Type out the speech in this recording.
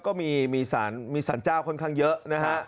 ก็มีสารเจ้าค่อนข้างเยอะนะฮะ